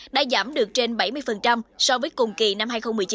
đã giảm được trên bảy mươi so với cùng kỳ năm hai nghìn một mươi chín